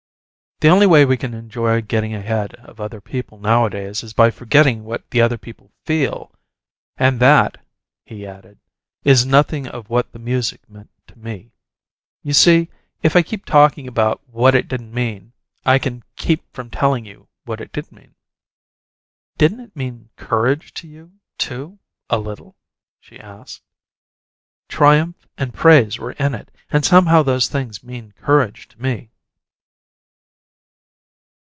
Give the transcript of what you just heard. The only way we can enjoy getting ahead of other people nowadays is by forgetting what the other people feel. And that," he added, "is nothing of what the music meant to me. You see, if I keep talking about what it didn't mean I can keep from telling you what it did mean." "Didn't it mean courage to you, too a little?" she asked. "Triumph and praise were in it, and somehow those things mean courage to me."